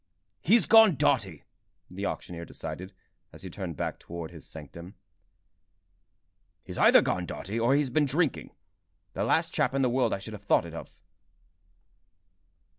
"He's gone dotty!" the auctioneer decided, as he turned back towards his sanctum. "He's either gone dotty or he's been drinking. The last chap in the world I should have thought it of!"